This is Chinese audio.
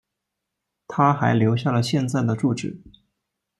她还留下了现在的住址。